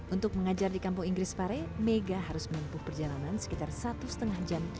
untuk mengajar di kampung inggris pare mega harus menempuh perjalanan sekitar satu lima jam